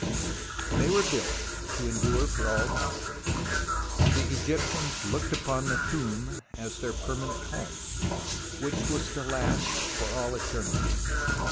They were built to endure for all time. The Egyptians looked upon the tomb as their permanent home, which was to last for all eternity.